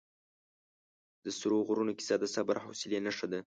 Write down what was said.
د سرو غرونو کیسه د صبر او حوصلې نښه ده.